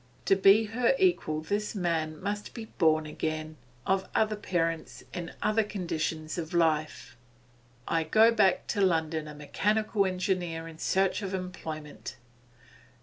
To be her equal this man must be born again, of other parents, in other conditions of life. 'I go back to London a mechanical engineer in search of employment.